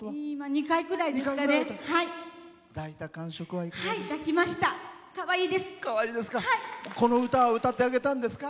２回ぐらいですかね。